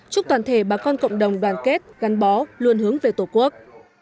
chúc toàn thể bà con cộng đồng đoàn kết gắn bó luôn hướng về tổ quốc